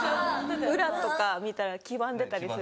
裏とか見たら黄ばんでたりする。